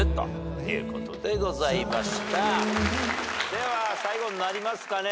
では最後になりますかね。